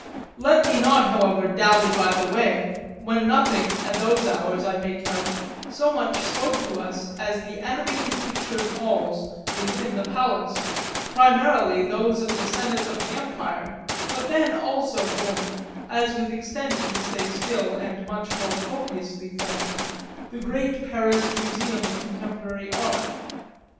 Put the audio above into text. Let me not however dally by the way, when nothing, at those hours, I make out, so much spoke to us as the animated pictured halls within the Palace, primarily those of the Senate of the Empire, but then also forming, as with extensions they still and much more copiously form, the great Paris museum of contemporary art.